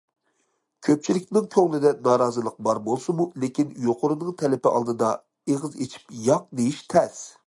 كۆپچىلىكنىڭ كۆڭلىدە نارازىلىق بار بولسىمۇ، لېكىن يۇقىرىنىڭ تەلىپى ئالدىدا ئېغىز ئېچىپ« ياق» دېيىش تەس.